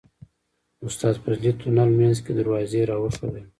استاد فضلي تونل منځ کې دروازې راوښودلې.